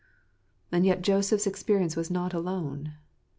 And yet Joseph's experience is not alone.